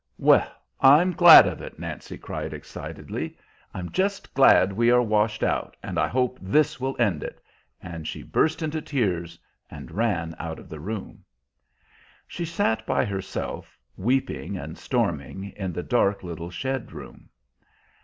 "Well, I'm glad of it," Nancy cried excitedly. "I'm just glad we are washed out, and I hope this will end it!" and she burst into tears, and ran out of the room. She sat by herself, weeping and storming, in the dark little shed room.